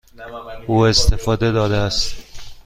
او استعفا داده است.